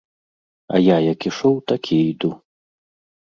А я, як ішоў, так і іду.